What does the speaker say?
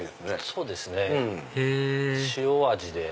そうですね塩味で。